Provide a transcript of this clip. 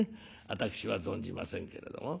私は存じませんけれども。